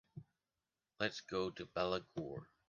Let's go to Balaguer.